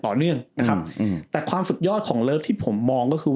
ต่อเนื่องนะครับอืมแต่ความสุดยอดของเลิฟที่ผมมองก็คือ